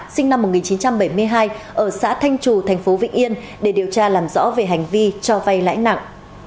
sinh năm một nghìn chín trăm bảy mươi hai ở xã thanh trù thành phố vĩnh yên để điều tra làm rõ về hành vi cho vay lãi nặng